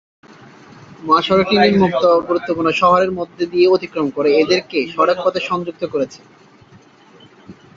মহাসড়কটি নিম্নোক্ত গুরুত্বপূর্ণ শহরের মধ্যে দিয়ে অতিক্রম করে এদেরকে সড়কপথে সংযুক্ত করেছে।